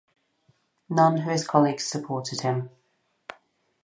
None of his colleagues supported him.